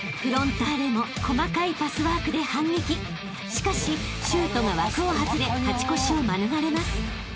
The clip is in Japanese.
［しかしシュートが枠を外れ勝ち越しを免れます］